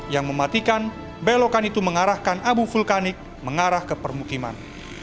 yang mematikan belokan itu mengarahkan abu vulkanik mengarah ke permukiman